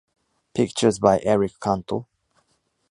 Pictures by Eric Canto.